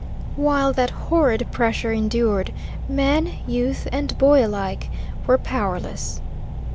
While that horrid pressure endured, man, youth, and boy alike were powerless.